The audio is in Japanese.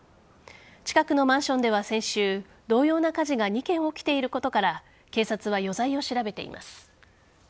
近くのマンションでは先週同様の火事が２件起きていることから警察は余罪を調べています。